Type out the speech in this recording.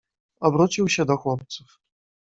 "Obrócił się do chłopców."